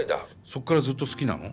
そこからずっと好きなの？